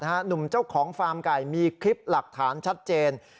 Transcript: หนุ่มเจ้าของฟ้าล์มไก่มีคลิปหลักฐาน